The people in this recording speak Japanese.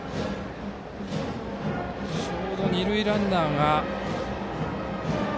ちょうど二塁ランナーが。